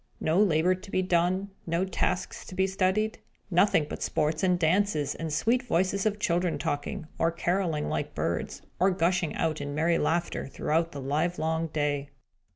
No labour to be done, no tasks to be studied; nothing but sports and dances, and sweet voices of children talking, or carolling like birds, or gushing out in merry laughter, throughout the livelong day.